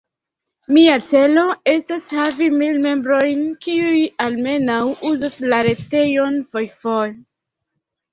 Mia celo estas havi mil membrojn, kiuj almenaŭ uzas la retejon fojfoje.